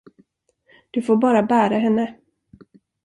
Du får bara bära henne.